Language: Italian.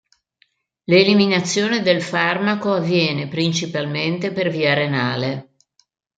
L'eliminazione del farmaco avviene principalmente per via renale.